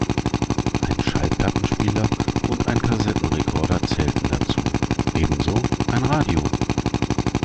Ein Schallplattenspieler und ein Kassettenrekorder zählten dazu, ebenso ein Radio.